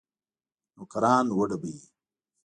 نوکران وډبوي.